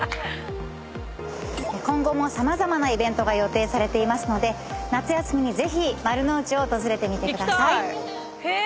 今後も様々なイベントが予定されていますので夏休みにぜひ丸の内を訪れてみてください。